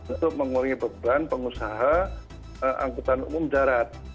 untuk mengurangi beban pengusaha angkutan umum darat